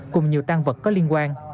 cùng nhiều tăng vật có liên quan